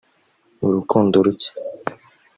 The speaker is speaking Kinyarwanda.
urukundo ruke